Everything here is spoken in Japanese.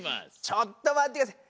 ちょっとまってください。